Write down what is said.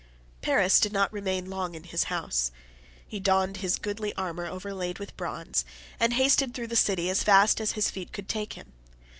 Paris did not remain long in his house. He donned his goodly armour overlaid with bronze, and hasted through the city as fast as his feet could take him.